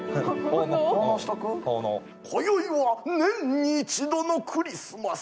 今宵は年に一度のクリスマス。